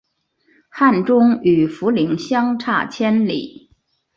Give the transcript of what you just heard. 汉中与涪城相差千里。